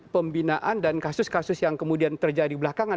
pembinaan dan kasus kasus yang kemudian terjadi belakangan